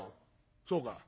「そうか。